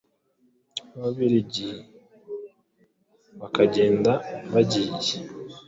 ababiligi bakagenda bagiye.